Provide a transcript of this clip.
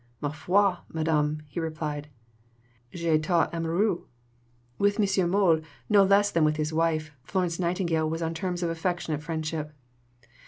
"Ma foi, madame," he replied, "j'ètais amoureux." With M. Mohl, no less than with his wife, Florence Nightingale was on terms of affectionate friendship.